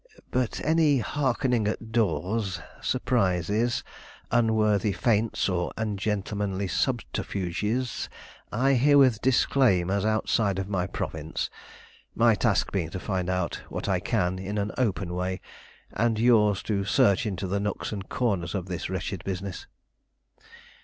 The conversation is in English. But any hearkening at doors, surprises, unworthy feints or ungentlemanly subterfuges, I herewith disclaim as outside of my province; my task being to find out what I can in an open way, and yours to search into the nooks and corners of this wretched business."